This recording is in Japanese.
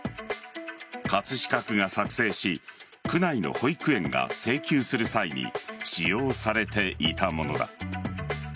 葛飾区が作成し区内の保育園が請求する際に使用されていたものだ。